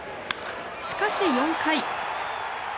しかし、４回。